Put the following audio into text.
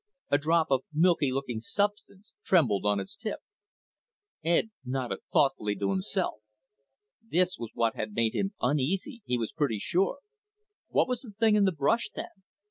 A drop of milky looking substance trembled on its tip. Ed nodded thoughtfully to himself. This was what had made him uneasy, he was pretty sure. What was the thing in the brush, then?